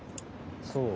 そう？